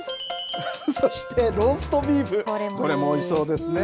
そしてローストビーフ、どれもおいしそうですね。